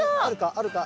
あるか？